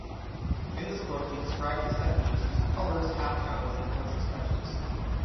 In this book he described his techniques using colours, half-tones and pencil sketches.